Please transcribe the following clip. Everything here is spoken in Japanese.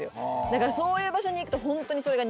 だからそういう場所に行くとホントにそれが苦手で。